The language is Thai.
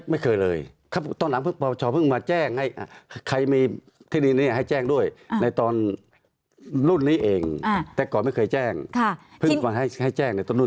ไม่เคยเลยตอนหลังเพิ่งปชเพิ่งมาแจ้งให้ใครมีที่ดินนี้ให้แจ้งด้วยในตอนรุ่นนี้เองแต่ก่อนไม่เคยแจ้งเพิ่งให้แจ้งในต้นนู่น